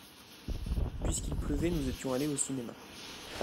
Puisqu’il pleuvait nous étions allés au cinéma.